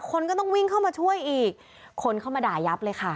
คนก็ต้องวิ่งเข้ามาช่วยอีกคนเข้ามาด่ายับเลยค่ะ